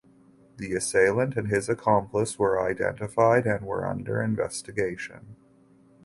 The assailant and his accomplice were identified and were under investigation.